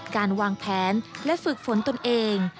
การวางแผนและฝึกฝนตนเอง